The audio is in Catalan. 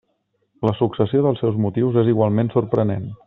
La successió dels seus motius és igualment sorprenent.